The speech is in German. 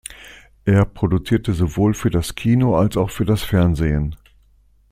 Er produzierte sowohl für das Kino als auch für das Fernsehen.